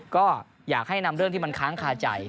ก็อยากให้นำเรื่องที่มันค้างคาใจ